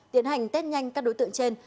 tiến hành test nhanh các đối tượng trên